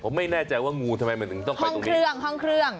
ผมไม่แน่ใจว่างูทำไมมันต้องไปตรงนี้ห้องเครื่อง